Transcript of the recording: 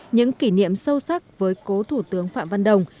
những kỷ niệm sâu sắc với cố thủ tướng phạm văn đồng